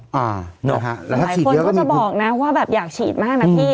หลายคนก็จะบอกนะว่าแบบอยากฉีดมากนะพี่